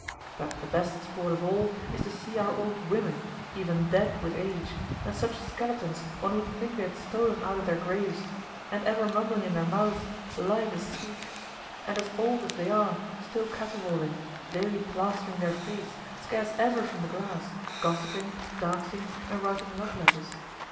But the best sport of all is to see our old women, even dead with age, and such skeletons one would think they had stolen out of their graves, and ever mumbling in their mouths, "Life is sweet;" and as old as they are, still caterwauling, daily plastering their face, scarce ever from the glass, gossiping, dancing, and writing love letters.